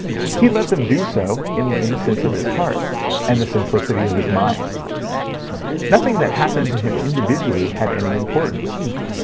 He let them do so in the innocence of his heart and the simplicity of his mind. Nothing that happened to him individually had any importance.